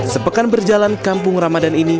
sepekan berjalan kampung ramadan ini